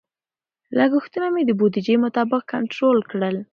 لګښتونه مې د بودیجې مطابق کنټرول کړل.